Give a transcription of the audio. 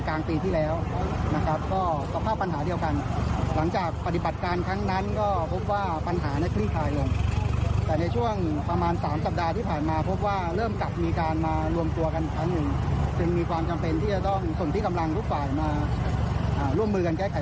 ซึ่งมีความจำเป็นที่จะต้องสนที่กำลังทุกฝ่ายน่ะร่วมมือกันแก้ปัญหาชนิดอีกครั้งหนึ่งครับ